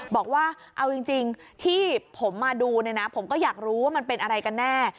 บอกว่าเอาจริงที่ผมมาดูเนี่ยนะผมก็อยากรู้ว่ามันเป็นอะไรกันแน่